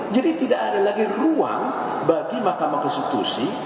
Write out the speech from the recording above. jadi tidak ada lagi ruang bagi mahkamah konstitusi